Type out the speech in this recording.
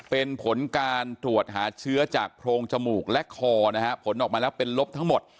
เป็นผลการตรวจหาเชื้อจากโพรงจมูกและคอนะฮะผลออกมาแล้วเป็นลบทั้งหมด